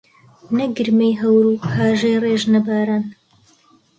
نە گرمەی هەور و هاژەی ڕێژنە باران